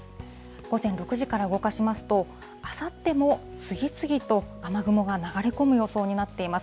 午前６時から動かしますと、あさっても次々と雨雲が流れ込む予想になっています。